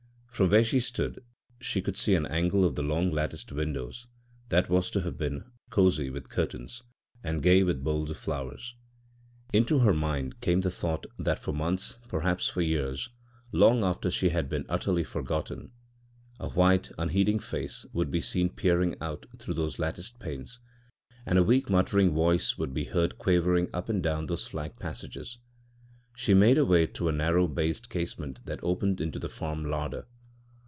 From where she stood she could see an angle of the long latticed window that was to have been cosy with curtains and gay with bowls of flowers. Into her mind came the thought that for months, perhaps for years, long after she had been utterly forgotten, a white, unheeding face would be seen peering out through those latticed panes, and a weak muttering voice would be heard quavering up and down those flagged passages. She made her way to a narrow barred casement that opened into the farm larder.